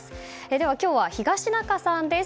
では、今日は東中さんです。